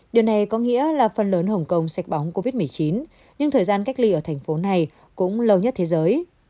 điều này có nghĩa là phần lớn hồng kông sạch bóng covid một mươi chín nhưng thời gian cách ly ở thành phố này cũng lâu nhất thế giới